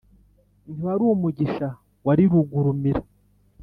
ntiwari umugisha wari rugurumira!